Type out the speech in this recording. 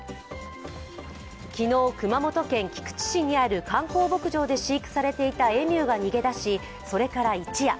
昨日、熊本県菊池市にある観光牧場で飼育されていたエミューが逃げ出し、それから一夜。